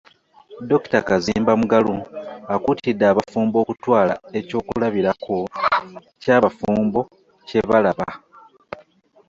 Dokita Kazimba Mugalu akuutidde abafumbo okutwala eky'okulabirako ky'abafumbo kye balaba